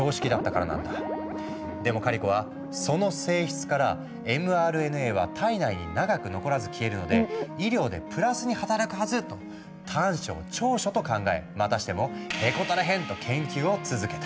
でもカリコは「その性質からｍＲＮＡは体内に長く残らず消えるので医療でプラスに働くはず！」と短所を長所と考えまたしても「へこたれへん！」と研究を続けた。